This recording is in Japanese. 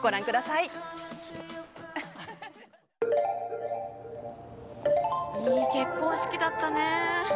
いい結婚式だったね。